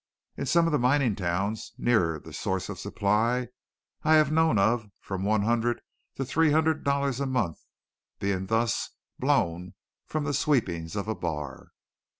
In some of the mining towns nearer the source of supply I have known of from one hundred to three hundred dollars a month being thus "blown" from the sweepings of a bar.